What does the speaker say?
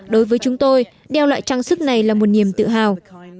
đối với chúng tôi đeo loại trang sức này là một niềm tự hào